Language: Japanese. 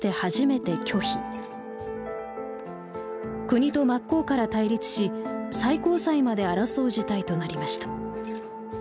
国と真っ向から対立し最高裁まで争う事態となりました。